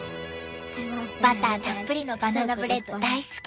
バターたっぷりのバナナブレッド大好き！